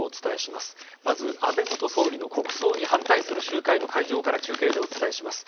まず安倍元総理の国葬に反対する集会の会場から中継でお伝えします。